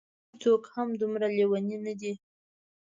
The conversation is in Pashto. هېڅوک هم دومره لېوني نه دي.